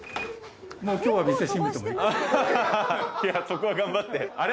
そこは頑張って。